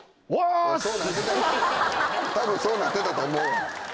多分そうなってたと思うわ。